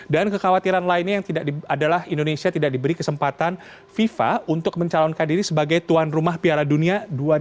dan kekhawatiran lainnya adalah indonesia tidak diberi kesempatan fifa untuk mencalonkan diri sebagai tuan rumah piala dunia dua ribu tiga puluh empat